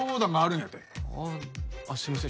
あああっすいません